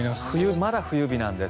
まだ冬日なんです。